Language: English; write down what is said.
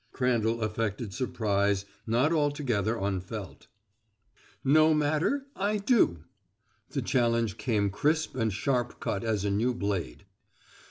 Crandall affected surprise not altogether unfelt. "No matter I do!" The challenge came crisp and sharp cut as a new blade.